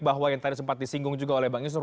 bahwa yang tadi sempat disinggung juga oleh bang yusuf